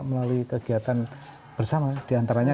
melalui kegiatan bersama diantaranya